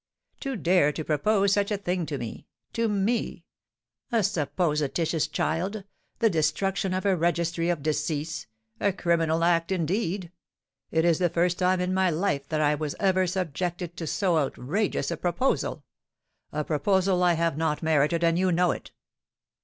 "To dare to propose such a thing to me to me! A supposititious child, the destruction of a registry of decease; a criminal act, indeed! It is the first time in my life that I was ever subjected to so outrageous a proposal, a proposal I have not merited, and you know it!"